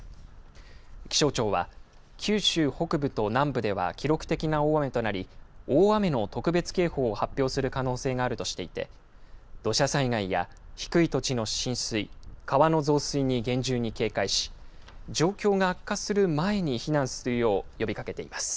気象庁は、九州北部と南部では記録的な大雨となり、大雨の特別警報を発表する可能性があるとしていて、土砂災害や低い土地の浸水、川の増水に厳重に警戒し、状況が悪化する前に避難するよう呼びかけています。